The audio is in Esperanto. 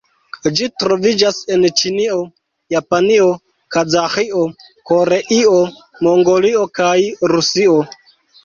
Ĝi troviĝas en Ĉinio, Japanio, Kazaĥio, Koreio, Mongolio kaj Rusio.